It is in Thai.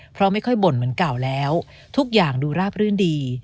เพราะไม่ค่อยบ่นเหมือนเก่าแล้วทุกอย่างดูราบรื่นดี